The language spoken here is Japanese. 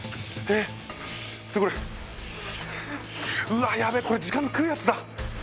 うわヤベェこれ時間食うやつだ。